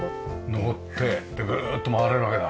上ってでぐるーっと回れるわけだ。